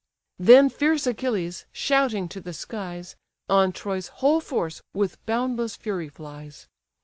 Then fierce Achilles, shouting to the skies, On Troy's whole force with boundless fury flies.